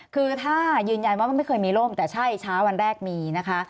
คือถ้ายืนยันว่ามันไม่เคยมีร่มแต่ใช่ช้าวันแรกมีนะคะ